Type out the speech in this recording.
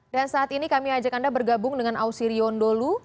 dan saat ini kami ajak anda bergabung dengan ausi riondolu